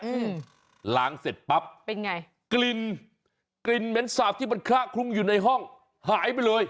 อืมล้างเสร็จปั๊บเป็นไงกลิ่นกลิ่นเหม็นสาบที่มันคละคลุ้งอยู่ในห้องหายไปเลย